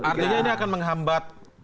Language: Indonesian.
artinya ini akan menghambat